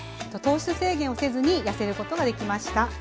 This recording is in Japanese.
糖質制限をせずにやせることができました。